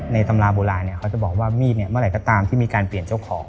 ในตำราโบราณเขาจะบอกว่ามีดที่